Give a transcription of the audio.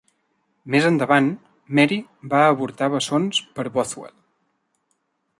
Més endavant Mary va avortar bessons per Bothwell.